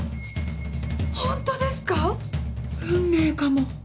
ホントですか⁉運命かも。